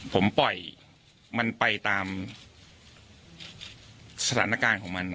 ผมปล่อยมันไปตามสถานการณ์ของมัน